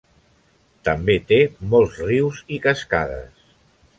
També té molts rius i cascades.